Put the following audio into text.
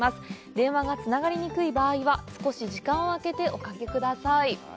電話がつながりにくい場合は少し時間を空けておかけください。